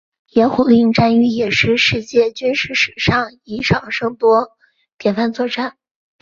野狐岭战役也是世界军事史上以少胜多典范作战。